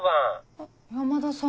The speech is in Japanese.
あっ山田さん。